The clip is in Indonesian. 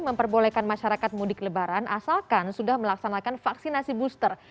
memperbolehkan masyarakat mudik lebaran asalkan sudah melaksanakan vaksinasi booster